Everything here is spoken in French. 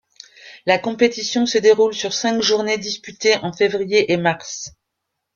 La compétition se déroule sur cinq journées disputées en février et mars.